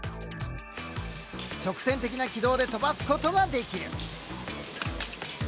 直線的な軌道で飛ばすことができる。